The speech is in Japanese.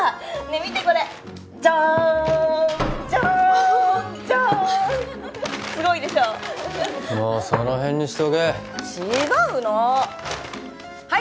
見てこれジャンジャンジャンすごいでしょもうそのへんにしとけ違うのはい